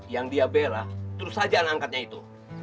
yang dia bela terus saja anak angkatnya itu